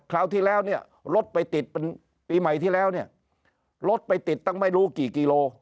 คราวที่แล้วเนี่ยรถไปติดเป็นปีใหม่ที่แล้วเนี่ยรถไปติดตั้งไม่รู้กี่กิโล